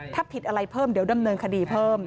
ถ้าผิดอะไรเพิ่มเดี๋ยวดำเนินคดีเพิ่ม